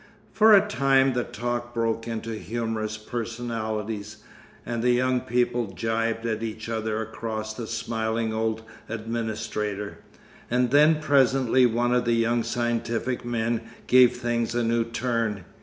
For a time the talk broke into humorous personalities, and the young people gibed at each other across the smiling old administrator, and then presently one of the young scientific men gave things a new turn.